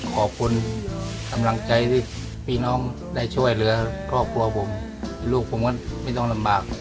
ขอบคุณกำลังใจที่พี่น้องได้ช่วยเหลือครอบครัวผมลูกผมก็ไม่ต้องลำบาก